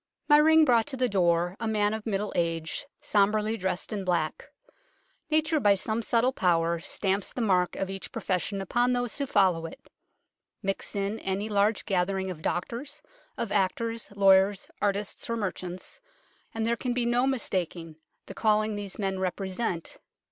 My ring brought to the door a man of middle 4 UNKNOWN LONDON age, sombrely dressed in black. Nature by some subtle power stamps the mark of each profession upon those who follow it. Mix in any large gathering of doctors, of actors, lawyers, artists or merchants, and there can be no mistaking the calling these men represent.